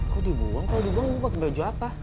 kok dibuang kalau dibuang gue pakai baju apa